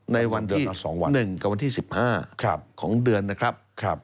ในวันที่๑กับวันที่๑๕ของเดือนนะครับ